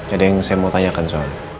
ada yang saya mau tanyakan soal